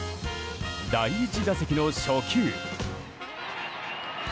第１打席の初球。